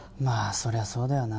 そりゃそうだよな